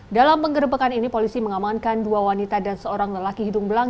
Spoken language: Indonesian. dalam penggerbekan ini polisi mengamankan dua wanita dan seorang lelaki hidung belang